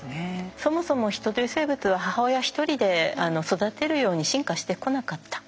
そもそもヒトという生物は母親一人で育てるように進化してこなかった。